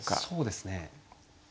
そうですね。